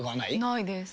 ないです。